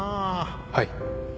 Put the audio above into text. はい。